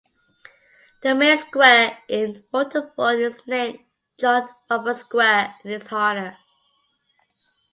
The main square in Waterford is named John Roberts Square in his honour.